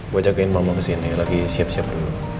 gue jagain mama kesini lagi siap siap dulu